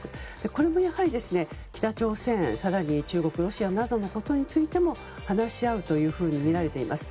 これも、やはり北朝鮮更に中国、ロシアなどのことについても話し合うというふうにみられています。